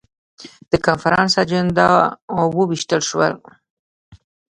د کنفرانس اجندا وویشل شول.